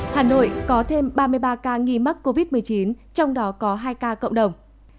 hà nội có thêm ba mươi ba ca nghi mắc covid một mươi chín trong đó có hai ca cộng đồng